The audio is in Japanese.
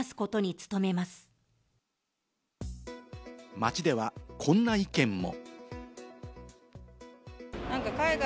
街ではこんな意見も。